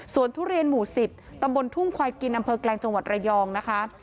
ส่วนทุเรียนหมู่๑๐ตำบลทุ่งควายกินอำเภอแกลงจังหวัดระยองนะคะ